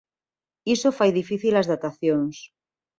Iso fai difícil as datacións.